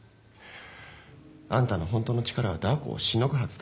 あんたのホントの力はダー子をしのぐはずだ。